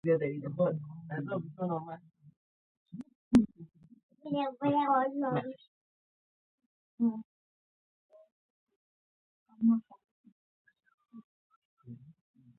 ازادي راډیو د اقتصاد په اړه د اقتصادي اغېزو ارزونه کړې.